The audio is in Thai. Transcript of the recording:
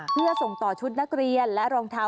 เพื่อส่งต่อชุดนักเรียนและรองเท้า